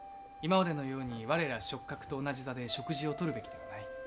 今までのように我ら食客と同じ座で食事をとるべきではない。